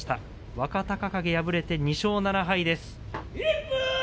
若隆景が敗れて２勝７敗です。